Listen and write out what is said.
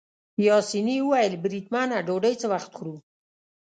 پاسیني وویل: بریدمنه ډوډۍ څه وخت خورو؟